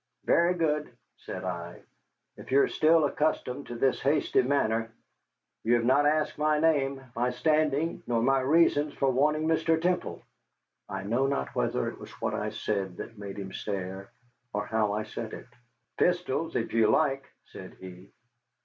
"Very good," said I, "if you are still accustomed to this hasty manner. You have not asked my name, my standing, nor my reasons for wanting Mr. Temple." I know not whether it was what I said that made him stare, or how I said it. "Pistols, if you like," said he.